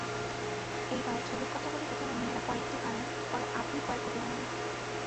এইবার ছবির কথা বলি প্রথমে মেয়েরা কয়েকটি আনে, পরে আপনি কয়েক কপি আনেন।